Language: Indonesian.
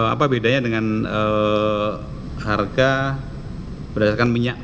apa bedanya dengan harga berdasarkan minyak